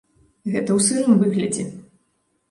Гэта ў сырым выглядзе.